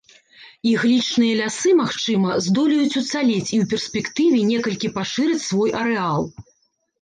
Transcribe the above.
Іглічныя лясы, магчыма, здолеюць уцалець і ў перспектыве некалькі пашыраць свой арэал.